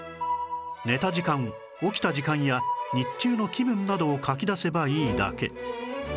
寝た時間起きた時間や日中の気分などを書き出せばいいだけ